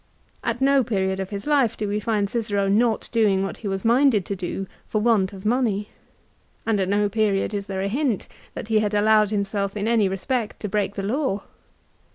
At no period of his life do we find Cicero not doing what he was minded to do for want of money, and at no period is there a hint that he had allowed himself in any respect to break the law.